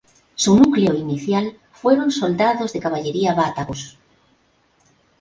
Su núcleo inicial fueron soldados de caballería bátavos.